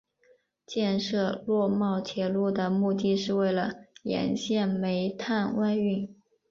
建设洛茂铁路的目的是为了沿线煤炭外运。